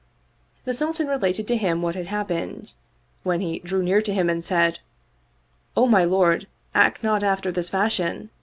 The Sultan related to him what had happened, when he drew near to him and said, " O my lord, act not after this fashion